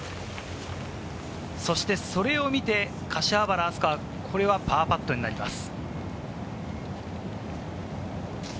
そしてそれを見て柏原明日架、これはパーパットになります。